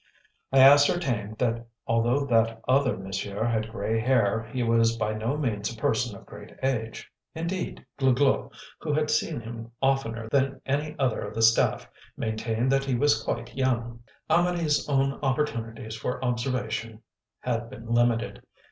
I ascertained that although "that other monsieur" had gray hair, he was by no means a person of great age; indeed, Glouglou, who had seen him oftener than any other of the staff, maintained that he was quite young. Amedee's own opportunities for observation had been limited.